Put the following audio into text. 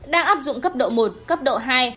đang áp dụng cấp độ một cấp độ hai